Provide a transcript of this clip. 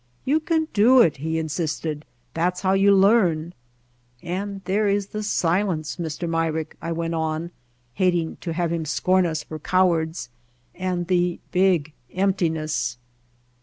"You can do it," he insisted, "that's how you learn." "And there is the silence, Mr. Myrick," I went on, hating to have him scorn us for cow ards, "and the big emptiness."